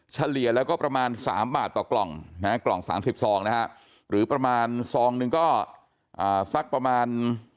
เฉลี่ยแล้วก็ประมาณ๓บาทต่อกล่องนะฮะกล่อง๓๐ซองนะฮะหรือประมาณซองหนึ่งก็สักประมาณ